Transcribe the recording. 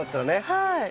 はい。